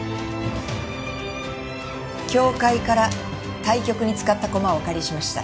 協会から対局に使った駒をお借りしました。